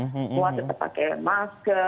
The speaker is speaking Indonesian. semua tetap pakai masker